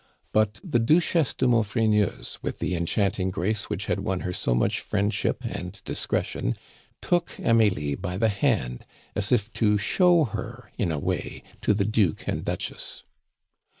But the Duchess de Maufrigneuse, with the enchanting grace which had won her so much friendship and discretion, took Amelie by the hand as if to show her, in a way, to the Duke and Duchess.